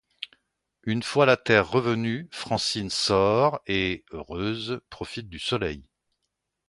Une fois la Terre revenue, Francine sort et, heureuse, profite du soleil.